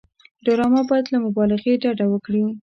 ډرامه باید له مبالغې ډډه وکړي